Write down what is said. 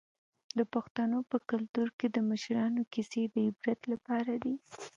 د پښتنو په کلتور کې د مشرانو کیسې د عبرت لپاره دي.